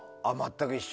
一緒。